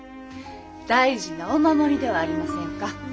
大事なお守りではありませんか。